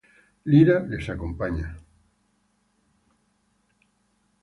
Lyra les acompaña.